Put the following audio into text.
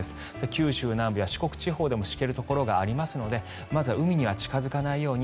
九州南部や四国地方でもしけるところがありますのでまずは海には近付かないように。